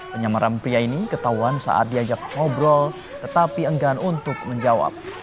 penyamaran pria ini ketahuan saat diajak ngobrol tetapi enggan untuk menjawab